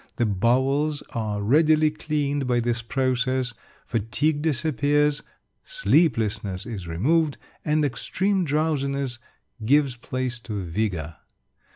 The bowels are readily cleaned by this process; fatigue disappears; sleeplessness is removed, and extreme drowsiness gives place to vigour.